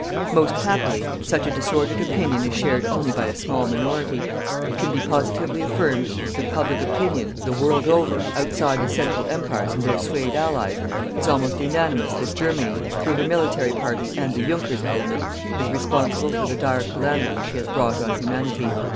Most happily, such a disordered opinion is shared only by a small minority. It can be positively affirmed that public opinion, the world over, outside the Central Empires and their swayed allies, is almost unanimous that Germany, through her military party and the junkers element, is responsible for the dire calamity she has brought on Humanity.